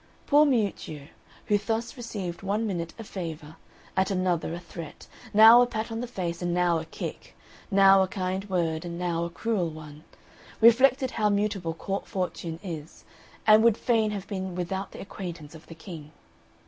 Poor Miuccio, who thus received one minute a favour, at another a threat, now a pat on the face, and now a kick, now a kind word, now a cruel one, reflected how mutable court fortune is, and would fain have been without the acquaintance of the King.